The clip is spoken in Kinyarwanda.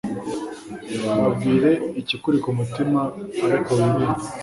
babwire ikikuri ku mutima ariko wirinde